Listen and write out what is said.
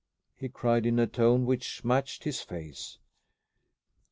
he cried in a tone which matched his face.